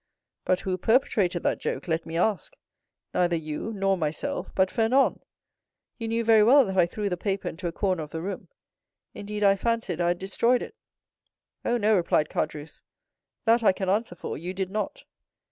"But who perpetrated that joke, let me ask? neither you nor myself, but Fernand; you knew very well that I threw the paper into a corner of the room—indeed, I fancied I had destroyed it." "Oh, no," replied Caderousse, "that I can answer for, you did not.